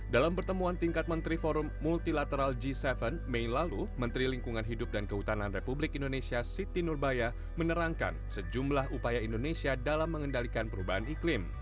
dalam pertemuan tingkat menteri forum multilateral g tujuh mei lalu menteri lingkungan hidup dan kehutanan republik indonesia siti nurbaya menerangkan sejumlah upaya indonesia dalam mengendalikan perubahan iklim